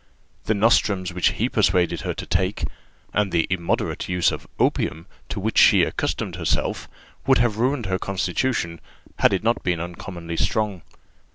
The nostrums which he persuaded her to take, and the immoderate use of opium to which she accustomed herself, would have ruined her constitution, had it not been uncommonly strong.